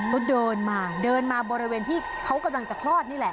ก็เดินมาเดินมาบริเวณที่เขากำลังจะคลอดนี่แหละ